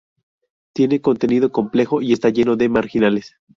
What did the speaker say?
Tiene contenido complejo y está lleno de marginales.